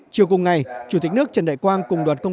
chiều cùng ngày chủ tịch nước trần đại quang cùng đoàn công